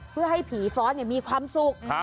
เพื่อให้ผีฟ้อนมีความสุข